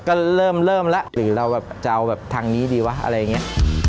ก็เริ่มแล้วหรือเราแบบจะเอาแบบทางนี้ดีวะอะไรอย่างนี้